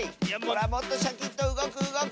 もっとシャキッとうごくうごく！